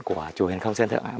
của chùa hền không sơn thượng ạ